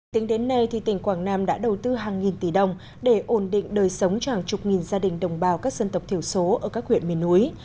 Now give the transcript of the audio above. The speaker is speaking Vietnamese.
tính đến nay tỉnh quảng nam đã đầu tư hàng nghìn tỷ đồng để ổn định đời sống tràng chục nghìn gia đình đồng bào các dân tộc thiểu số ở các huyện miền núi